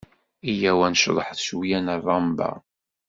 Yya-w ad nceḍḥet cwiyya n ṛṛamba.